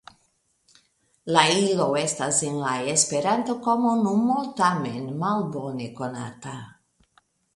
La ilo estas en la Esperantokomunumo tamen malbone konata.